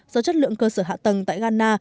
do chất lượng cơ sở hạ tầng tại ghana